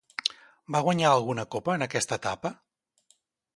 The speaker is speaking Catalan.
Va guanyar alguna copa en aquesta etapa?